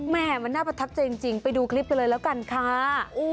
แม่มันน่าประทับใจจริงไปดูคลิปกันเลยแล้วกันค่ะ